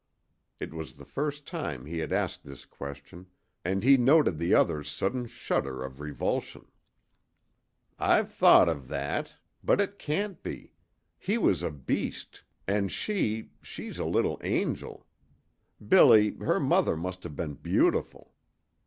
It was the first time he had asked this question, and he noted the other's sudden shudder of revulsion. "I've thought of that. But it can't be. He was a beast, and she she's a little angel. Billy, her mother must have been beautiful.